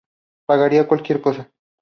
Pagaría cualquier cosa.